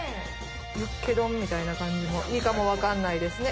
ユッケ丼みたいな感じもいいかも分かんないですね。